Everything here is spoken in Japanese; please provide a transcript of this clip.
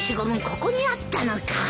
ここにあったのか。